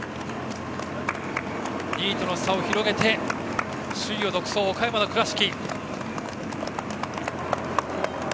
２位との差を広げて首位を独走岡山の倉敷。